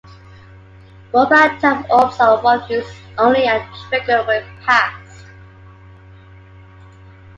Roadblock type Orbs are one-use only and trigger when passed.